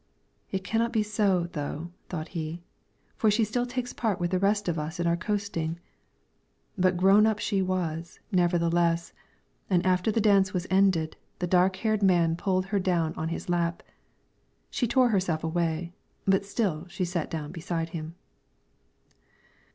"It cannot be so, though," thought he, "for she still takes part with the rest of us in our coasting." But grown up she was, nevertheless, and after the dance was ended, the dark haired man pulled her down on his lap; she tore herself away, but still she sat down beside him.